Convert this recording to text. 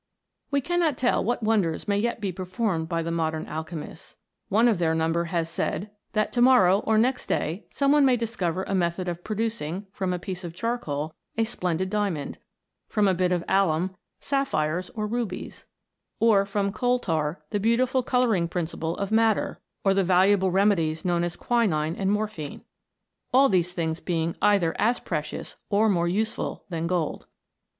We cannot tell what wonders may yet be per formed by the modern alchemists ; one of their number has said, that to morrow or next day some one may discover a method of producing, from a piece of charcoal, a splendid diamond ; from a bit of alum, sapphires or rubies, or from coal tar the beautiful colouring principle of madder, or the valuable remedies known as quinine and morphine ; all these things being either as precious or more useful than gold.